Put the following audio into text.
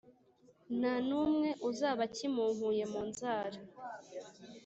nta n’umwe uzaba akimunkuye mu nzara.